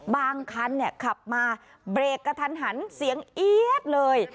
บางคันขับมาเบรกกระทันหันเสียงเอี๊ยดเลย